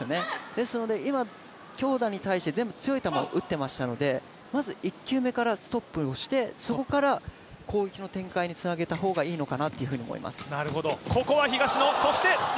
ですので今強打に対して全部強い球を打っていましたので、まず１球目からストップしてそこから攻撃の展開につなげた方がいいのかなと思います。